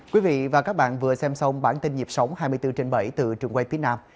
quý vị và các bạn vừa xem xong bản tin nhịp sống hai mươi bốn trên bảy từ trường quay phía nam